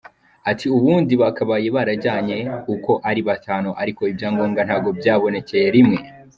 Ati “Ubundi bakabaye barajyanye uko ari batanu ariko ibyangombwa ntabwo byabonekeye rimwe.